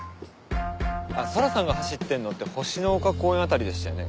あっ空さんが走ってんのって星の丘公園辺りでしたよね？